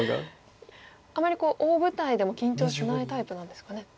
あまり大舞台でも緊張しないタイプなんですかね？